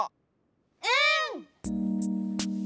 うん！